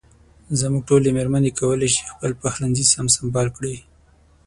زموږ ټولې مېرمنې کولای شي خپل پخلنځي سم سنبال کړي.